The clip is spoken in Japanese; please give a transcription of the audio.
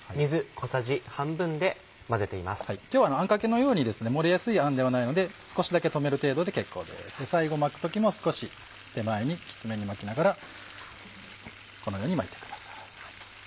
今日はあんかけのようにですね漏れやすいあんではないので少しだけ留める程度で結構です最後巻く時も少し手前にきつめに巻きながらこのように巻いてください。